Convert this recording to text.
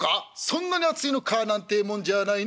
「そんなに熱いのかなんてえもんじゃないね。